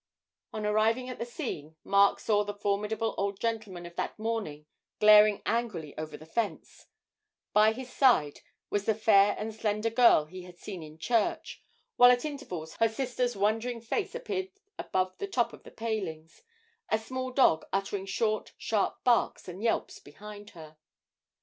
On arriving at the scene, Mark saw the formidable old gentleman of that morning glaring angrily over the fence; by his side was the fair and slender girl he had seen in church, while at intervals her little sister's wondering face appeared above the top of the palings, a small dog uttering short sharp barks and yelps behind her.